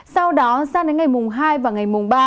sau đó sang đến ngày hai và ngày ba